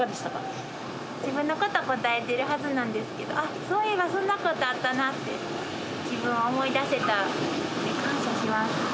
自分のこと答えてるはずなんですけど「そういえばそんなことあったな」って自分を思い出せた感謝します。